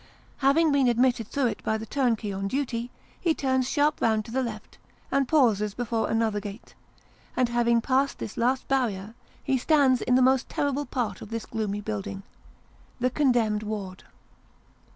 Having been admitted through it by the turnkey on duty, he turns sharp round to the left, and pauses before another gate ; and, having passed this last barrier, he stands in the most terrible part of this gloomy building the condemned ward.